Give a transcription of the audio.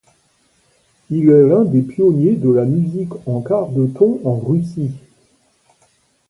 Il est l’un des pionniers de la musique en quarts de ton en Russie.